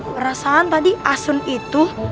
perasaan tadi asun itu